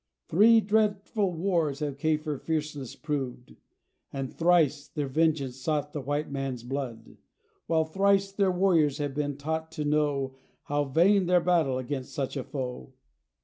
Three dreadful wars have Kafir fierceness proved, And thrice their vengeance sought the white man's blood; While thrice their warriors have been taught to know, How vain their battle against such a foe.